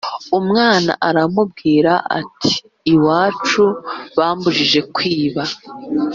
umwana aramubwira ati iwacu bambujije"kwiba"